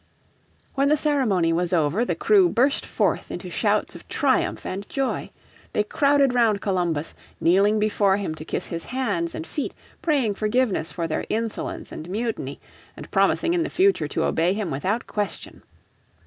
When the ceremony was over the crew burst forth into shouts of triumph and joy. They crowded round Columbus, kneeling before him to kiss his hands and feet praying forgiveness for their insolence and mutiny, and promising in the future to obey him without question.